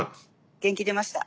元気出ました。